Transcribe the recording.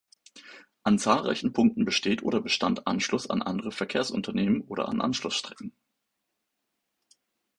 An zahlreichen Punkten besteht oder bestand Anschluss an andere Verkehrsunternehmen oder an Anschlussstrecken.